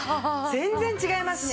全然違いますね。